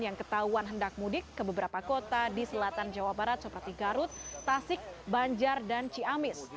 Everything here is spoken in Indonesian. yang ketahuan hendak mudik ke beberapa kota di selatan jawa barat seperti garut tasik banjar dan ciamis